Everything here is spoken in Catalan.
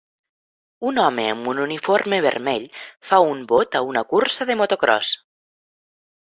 Un home amb un uniforme vermell fa un bot a una cursa de motocròs.